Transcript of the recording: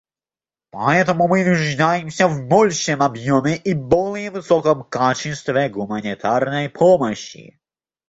Поэтому мы нуждаемся в большем объеме и более высоком качестве гуманитарной помощи.